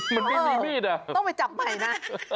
มันได้ไม่มีดหรอต้องไปจับไหมนะ